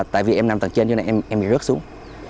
tại vì em nằm tầng trên cho nên em bị rớt xuống